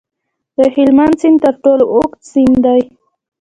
د هلمند سیند تر ټولو اوږد سیند دی